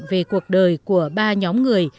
về cuộc đời của ba nhóm người